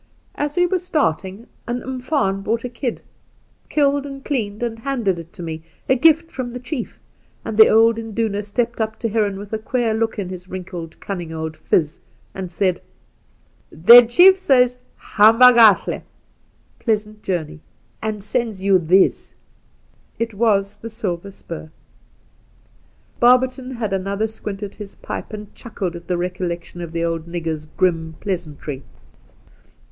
As we were starting an umfaan brought a kid, killed and cleaned, and handed it to me — a gift from the chief; and the old induna stepped up to Heron with a queer look in his wrinkled, cunning old phiz, and said :'" The ^hief says, ' Hamba gahM '(' Pleasant journey ')," and sends you this." ' It was the silver spur.' Barberton had another squint at his pipe, and chuckled at the recollection of the old nigger's grim pleasantry.